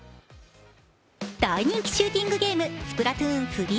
大人気シューティングゲーム、「スプラトゥーン３」。